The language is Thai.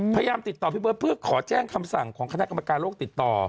พยายามติดต่อพี่เบิร์ตเพื่อขอแจ้งคำสั่งของคณะกรรมการโลกติดต่อ